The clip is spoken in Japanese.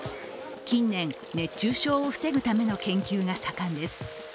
近年、熱中症を防ぐための研究が盛んです。